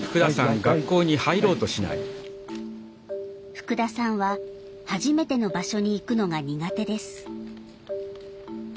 福田さんは、初めての場所に行くのが苦手です。